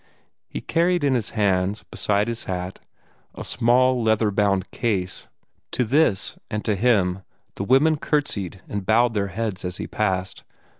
He carried in his hands, besides his hat, a small leather bound case. To this and to him the women courtesied and bowed their heads as he passed.